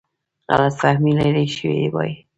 غلط فهمي لیرې شوې وای.